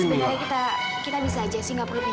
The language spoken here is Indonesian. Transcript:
sebenarnya kita kita bisa aja sih gak perlu pindah ke sini